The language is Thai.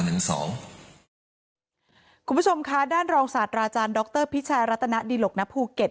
คุณผู้ชมคะด้านรองศาสตราอาจารย์ดรพิชัยรัตนดิหลกณภูเก็ต